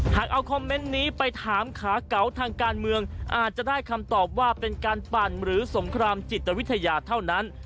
หากเอาคอมเมนต์นี้ไปถามขาเก๋าทางการเมืองอาจจะได้คำตอบว่าเป็นการปั่นหรือสงครามจิตวิทยาเท่านั้น